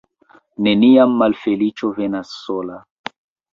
Neniam malfeliĉo venas sola.